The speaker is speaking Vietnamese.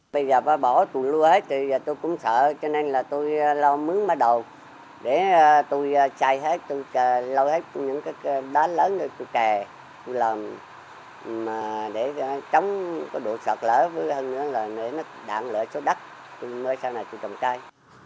bây giờ bỏ tù lúa hết thì tôi cũng sợ cho nên là tôi lo mướn má đồ để tôi chạy hết tôi lo hết những cái đá lớn để tôi kè tôi làm để trống có độ sọt lỡ với hơn nữa là để nó đạn lỡ số đất tôi mới sau này tôi trồng cây